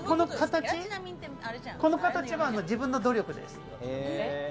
この形は自分の努力です。